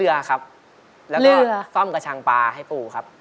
เรือแล้วก็ซ่อมกระชังปลาให้ปู่ครับเรือแล้วก็ซ่อมกระชังปลาให้ปู่ครับ